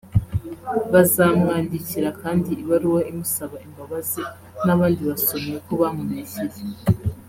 Bazamwandikira kandi ibaruwa imusaba imbabazi n’abandi basomyi ko bamubeshyeye